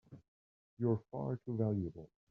You're far too valuable!